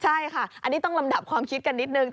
ใช่ค่ะอันนี้ต้องลำดับความคิดกันนิดนึง